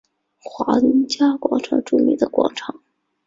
皇家广场的著名广场。